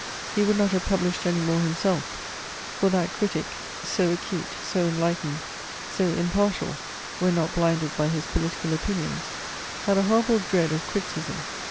He would not have published any more himself: for that critic, so acute, so enlightened, so impartial when not blinded by his political opinions, had a horrible dread of criticism.